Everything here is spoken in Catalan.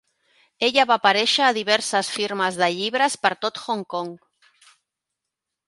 Ella va aparèixer a diverses firmes de llibres per tot Hong Kong.